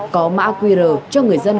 có mã qr cho người dân